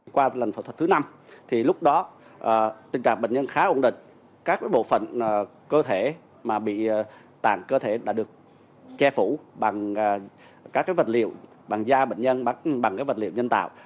qua lần phẫu thuật thứ năm thì lúc đó tình trạng bệnh nhân khá ổn định các bộ phận cơ thể mà bị tàn cơ thể đã được che phủ bằng các vật liệu bằng da bệnh nhân bằng vật liệu nhân tạo